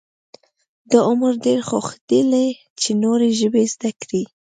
د عمر ډېر خوښېدل چې نورې ژبې زده کړي.